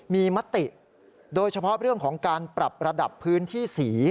มีมติโดยเฉพาะเรื่องของการปรับระดับพื้นที่สี